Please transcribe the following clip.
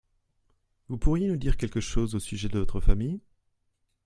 Vous pourriez nous dire quelque chose au sujet de votre famille ?